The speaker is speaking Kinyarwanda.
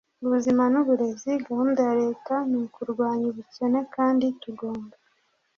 ubuzima n’uburezi. gahunda ya leta ni ukurwanya ubukene kandi tugomba